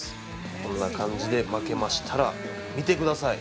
こんな感じで巻けましたら見てください。